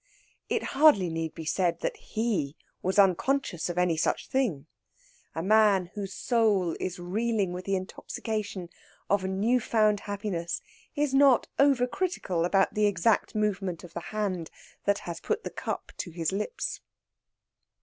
It hardly need be said that he was unconscious of any such thing. A man whose soul is reeling with the intoxication of a new found happiness is not overcritical about the exact movement of the hand that has put the cup to his lips.